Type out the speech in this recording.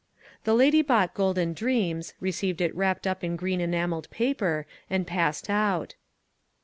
The lady bought Golden Dreams, received it wrapped up in green enamelled paper, and passed out.